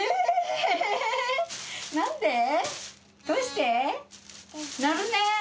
どうして？